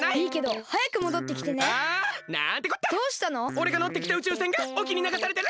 おれがのってきた宇宙船がおきにながされてる！